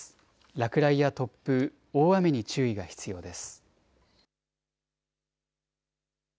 落雷や突風、大雨に注意が必要です。